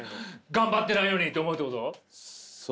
頑張ってないのにって思うってこと？